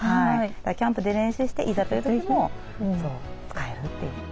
キャンプで練習していざという時も使えるという。